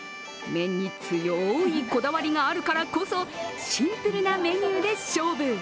麺に強いこだわりがあるからこそシンプルなメニューで勝負。